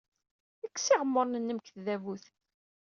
Kkes iɣemmuren-nnem seg tdabut.